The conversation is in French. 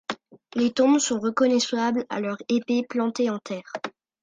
Les tombes sont reconnaissables à leurs épées plantées en terre.